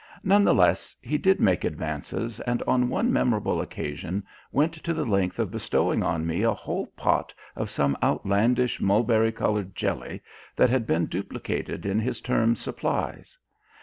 None the less, he did make advances, and on one memorable occasion went to the length of bestowing on me a whole pot of some outlandish mulberry coloured jelly that had been duplicated in his term's supplies.